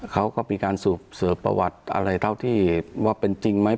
เขาก็มีการเสิร์ฟประวัติอะไรเท่าที่ว่าเป็นจริงไหม